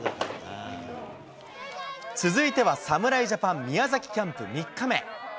続いては侍ジャパン、宮崎キャンプ３日目。